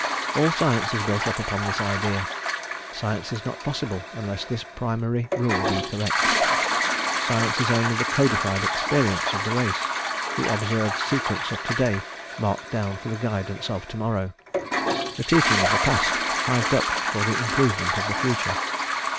All science is built up upon this idea; science is not possible unless this primary rule be correct; science is only the codified experience of the race, the observed sequence of to day marked down for the guidance of to morrow, the teaching of the past hived up for the improvement of the future.